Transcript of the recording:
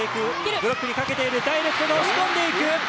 ブロックにかけている、ダイレクトで押し込んでいく。